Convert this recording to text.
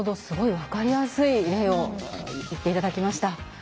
すごい分かりやすい例を言っていただきました。